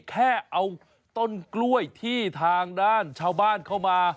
แค่เอาต้นกล้วยที่ทางด้านชาวบ้านเข้ามา